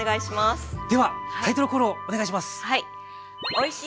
ではタイトルコールをお願いします。